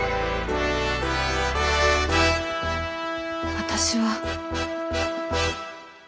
私は。